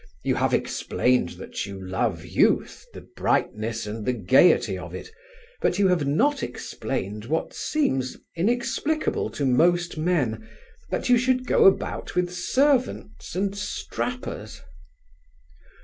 You have explained that you love youth, the brightness and the gaiety of it, but you have not explained what seems inexplicable to most men, that you should go about with servants and strappers."